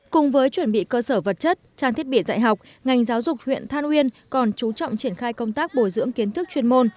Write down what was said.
cùng với chuẩn bị cơ sở vật chất trang thiết bị dạy học ngành giáo dục huyện than uyên còn chú trọng triển khai công tác bồi dưỡng kiến thức chuyên môn